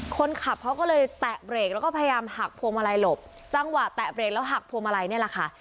คนขับเขาก็เลยแตะเบรกแล้วก็พยายามหักพวงมาลัยหลบจังหวะแตะเบรกแล้วหักพวงมาลัยนี่แหละค่ะ